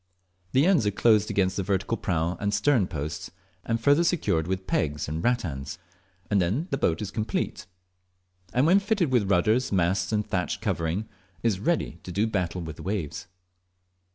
The ends are closed against the vertical prow and stern posts, and further secured with pegs and rattans, and then the boat is complete; and when fitted with rudders, masts, and thatched covering, is ready to do battle with, the waves.